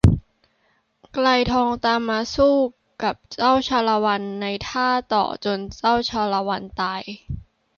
ไกรทองตามมาต่อสู้กับเจ้าชาละวันในถ้าต่อจนเจ้าชาละวันตาย